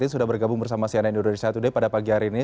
sudah bergabung bersama cnn indonesia today pada pagi hari ini